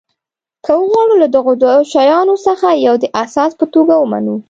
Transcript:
که وغواړو له دغو دوو شیانو څخه یو د اساس په توګه ومنو.